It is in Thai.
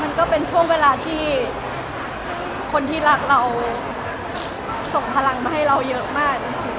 มันก็เป็นช่วงเวลาที่คนที่รักเราส่งพลังมาให้เราเยอะมากจริง